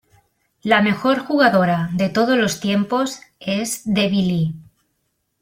La mejor jugadora de todos los tiempos es Debbie Lee.